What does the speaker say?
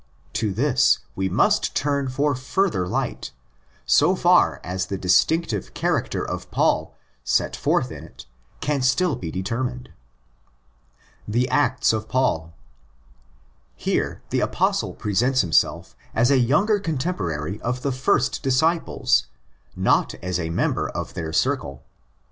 To this we must turn for further light—so far as the distinctive character of Paul set forth in it can still be determined. The Acts of Paul. Here the Apostle presents himself as a younger contemporary of the first disciples, not as a member of their circle.